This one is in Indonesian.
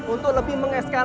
untuk lebih mengekskalasi